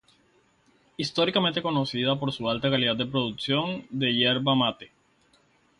Históricamente conocida por su alta calidad de la producción de yerba mate.